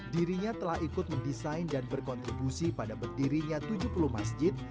dirinya telah ikut mendesain dan berkontribusi pada berdirinya tujuh puluh masjid